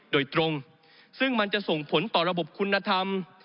โดยตรงซึ่งมันจะส่งผลต่อระบบคุณธรรม